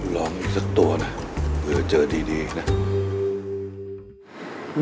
รอมีสักตัวนะเผื่อเจอดีนะ